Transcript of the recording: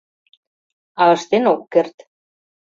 А ыштен ок керт.